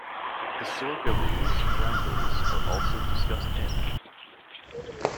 The Sorgheloos roundels are also discussed in.